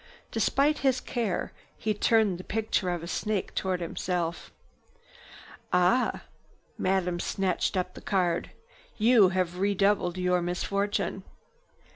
Despite his care, he turned the picture of a snake toward himself. "Ah!" Madame snatched at the card. "You have redoubled your misfortune."